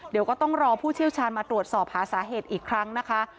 เดี๋ยวก็ต้องรอผู้เชี่ยวชาญมาตรวจสอบหาสาเหตุอีกครั้งนะคะ